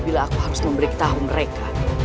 bila aku harus memberitahu mereka